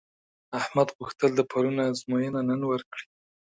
احمد غوښتل د پرون ازموینه نن ورکړي.